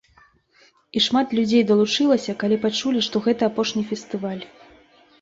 І шмат людзей далучылася, калі пачулі, што гэта апошні фестываль.